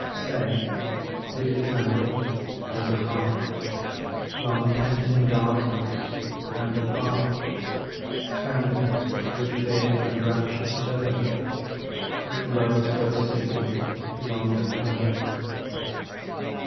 THE BURIED STATUE 49 Say, did it tremble, as a heart Long pent in darkness and apart Trembles, with fear and rapture stirred At love's low signal long unheard